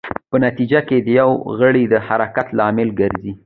په نتېجه کې د یو غړي د حرکت لامل ګرځي.